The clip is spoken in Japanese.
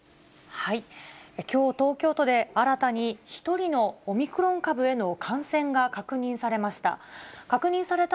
きょう、東京都で新たに、１人のオミクロン株への感染が確認されました。